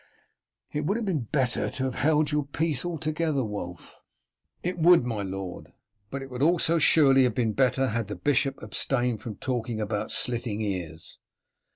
"It would have been better to have held your peace altogether, Wulf." "It would, my lord, but it would also surely have been better had the bishop abstained from talking about slitting ears."